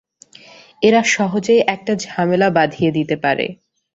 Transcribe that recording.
এরা সহজেই একটা ঝামেলা বাধিয়ে দিতে পারে।